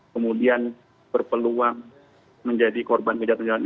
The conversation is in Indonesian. kemudian berpeluang menjadi korban kejahatan jalanan